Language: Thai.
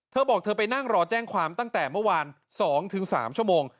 เธอบอกเธอไปนั่งรอแจ้งความตั้งแต่เมื่อวาน๒๓ชั่วโมง